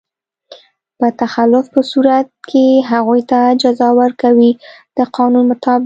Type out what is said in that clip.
په تخلف په صورت کې هغوی ته جزا ورکوي د قانون مطابق.